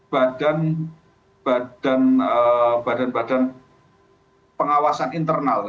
badan badan pengawasan internal